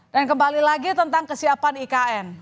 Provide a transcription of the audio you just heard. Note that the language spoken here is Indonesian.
dan kembali lagi tentang kesiapan ikn